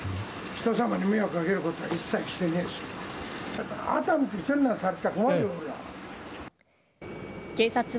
人様に迷惑をかけるようなことは一切してないです。